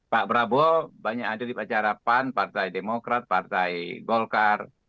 pak prabowo banyak hadir di acara pan partai demokrat partai golkar